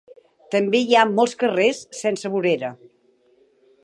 També hi ha molts carrers sense vorera.